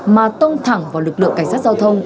mà tông thẳng vào lực lượng cảnh sát giao thông